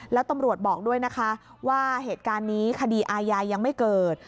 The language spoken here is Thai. แล้วตำรวจบอกด้วยนะคะว่าเหตุการณ์นี้คดีอาญายังไม่เกิด